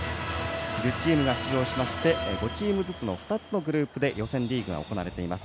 １０チームが出場して５チームずつの２つのグループで予選リーグが行われています。